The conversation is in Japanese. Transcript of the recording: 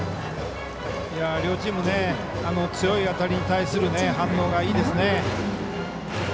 両チーム強い当たりに対する反応がいいですね。